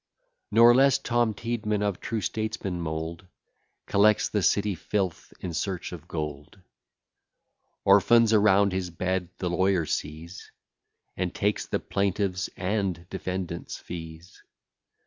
Nor less Tom t d man, of true statesman mould, Collects the city filth in search of gold. Orphans around his bed the lawyer sees, And takes the plaintiff's and defendant's fees.